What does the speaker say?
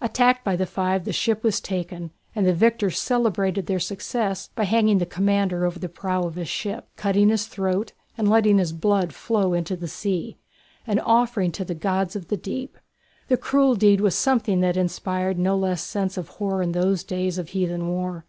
Attacked by the five the ship was taken, and the victors celebrated their success by hanging the commander over the prow of his ship, cutting his throat and letting his blood flow into the sea, an offering to the gods of the deep. The cruel deed was something that inspired no particular sense of horror in those days of heathen war.